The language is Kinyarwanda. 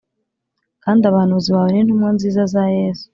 Kandi abahanuzi bawe n’intumwa nziza za yesu